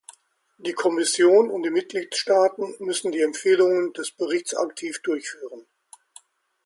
Die Kommission und die Mitgliedstaaten müssen die Empfehlungen des Berichts aktiv durchführen.